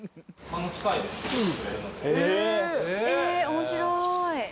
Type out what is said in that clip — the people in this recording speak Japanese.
面白い。